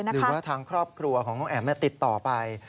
หรือว่าทางครอบครัวของน้องแอ๋มติดต่อไป